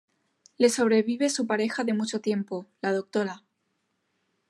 Le sobrevive su pareja de mucho tiempo, la Dra.